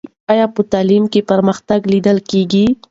آیا په تعلیم کې پرمختګ لیدل کېږي؟